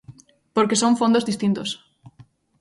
Porque son fondos distintos.